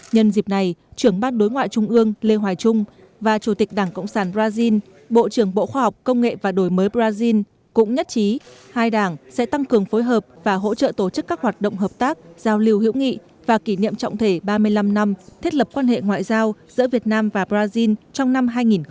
nhân dịp này trưởng ban đối ngoại trung ương lê hoài trung và chủ tịch đảng cộng sản brazil bộ trưởng bộ khoa học công nghệ và đổi mới brazil cũng nhất trí hai đảng sẽ tăng cường phối hợp và hỗ trợ tổ chức các hoạt động hợp tác giao lưu hữu nghị và kỷ niệm trọng thể ba mươi năm năm thiết lập quan hệ ngoại giao giữa việt nam và brazil trong năm hai nghìn hai mươi